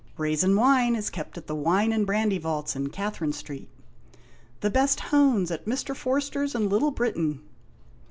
"Rasin wine is kept at the Wine and Brandy vaults in Catherine Street." " The best hones at Mr. Forsters in Little Britain."